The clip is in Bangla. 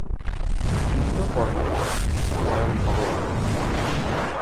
কৃষ্ণ পরমাত্মা, স্ময়ং ভগবান্।